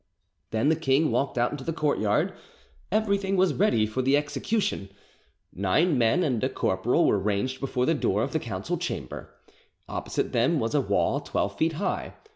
Then the king walked out into the courtyard. Everything was ready for the execution. Nine men and a corporal were ranged before the door of the council chamber. Opposite them was a wall twelve feet high.